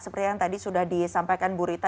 seperti yang tadi sudah disampaikan bu rita